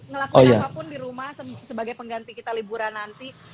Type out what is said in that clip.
ngelakuin apapun di rumah sebagai pengganti kita liburan nanti